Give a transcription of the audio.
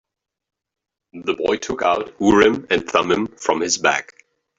The boy took out Urim and Thummim from his bag.